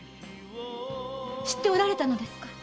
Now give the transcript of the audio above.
知っておられたのですか？